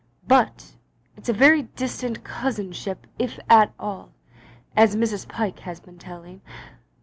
But it's a very distant cousinship if at all, as Mrs. Pyke has been telling.